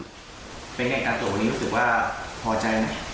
เป็นยังไงกับตัววันนี้รู้สึกว่าพอใจไหม